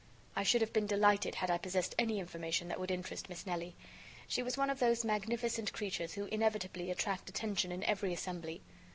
I should have been delighted had I possessed any information that would interest Miss Nelly. She was one of those magnificent creatures who inevitably attract attention in every assembly.